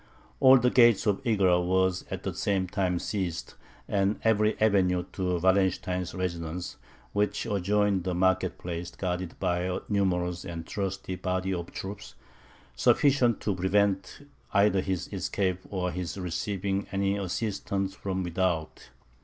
All the gates of Egra were at the same time seized, and every avenue to Wallenstein's residence, which adjoined the market place, guarded by a numerous and trusty body of troops, sufficient to prevent either his escape or his receiving any assistance from without.